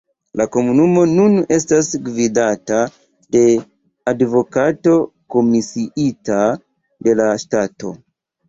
La komunumo nun estas gvidata de advokato komisiita de la ŝtato.